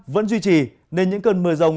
vẫn duy trì nên những cơn mưa rồng